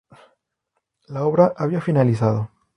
La obra había finalizado.